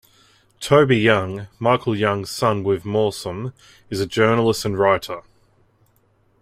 Toby Young, Michael Young's son with Moorsom, is a journalist and writer.